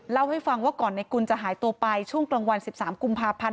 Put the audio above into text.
เล่าให้ฟังว่าก่อนในกุลจะหายตัวไปช่วงกลางวัน๑๓กุมภาพันธ์